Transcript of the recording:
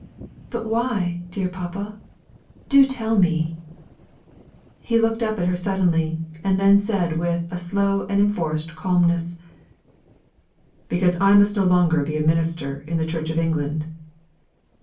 "But why, dear papa? Do tell me!" He looked up at her suddenly, and then said with a slow and enforced calmness, "Because I must no longer be a minister in the Church of England."